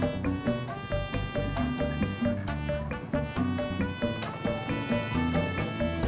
bapak juga udah telat bunga